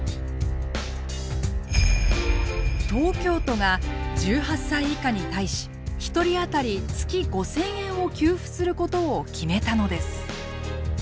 東京都が１８歳以下に対し１人あたり月５，０００円を給付することを決めたのです。